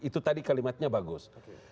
itu tadi kalimatnya bagus